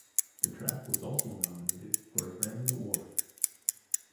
The track was also nominated for a Grammy Award.